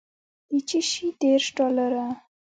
د چشي دېرش ډالره.